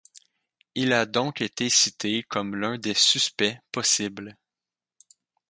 Il a donc été cité comme l'un des suspects possibles.